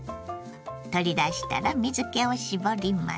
取り出したら水けを絞ります。